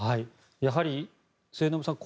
やはり末延さん